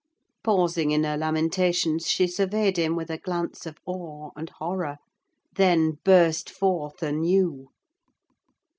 Pausing in her lamentations, she surveyed him with a glance of awe and horror, then burst forth anew.